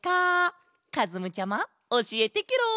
かずむちゃまおしえてケロ！